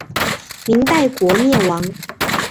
明代国灭亡。